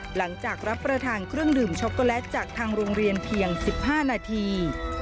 หลังจากรับประทานเครื่องดื่มช็อกโกแลตจากทางโรงเรียนเพียง๑๕นาที